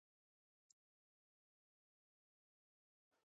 موږ باید د اړتیا په اندازه مصرف وکړو.